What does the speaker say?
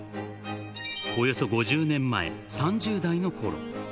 およそ５０年前、３０代のころ。